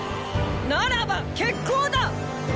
ならば決行だ！！